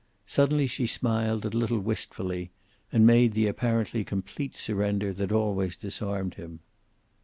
Suddenly she smiled a little wistfully, and made the apparently complete surrender that always disarmed him.